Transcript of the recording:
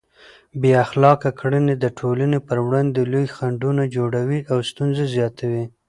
بې اخلاقه کړنې د ټولنې پر وړاندې لوی خنډونه جوړوي او ستونزې زیاتوي.